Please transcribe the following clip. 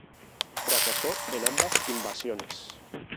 Fracasó en ambas invasiones.